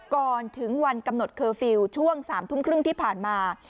ก่อนถึงวันกำหนดเคิ้วฟิล์ช่วง๓๓๐ที่ผ่านมา